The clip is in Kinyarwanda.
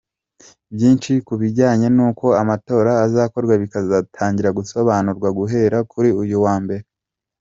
Byinshi ku bijyanye n’uko amatora azakorwa bikazatangira gusobanurwa guhera kuri uyu wa mbere.